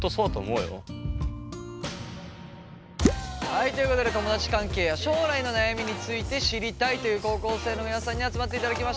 はいということで友だち関係や将来の悩みについて知りたいという高校生の皆さんに集まっていただきました。